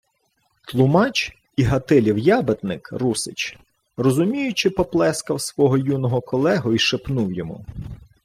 Тлумач і Гатилів ябедник Русич розуміюче поплескав свого юного колегу й шепнув йому: